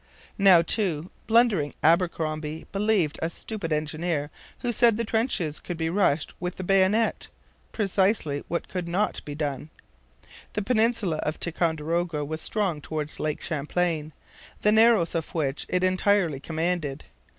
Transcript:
Now, too, blundering Abercromby believed a stupid engineer who said the trenches could be rushed with the bayonet precisely what could not be done. The peninsula of Ticonderoga was strong towards Lake Champlain, the narrows of which it entirely commanded.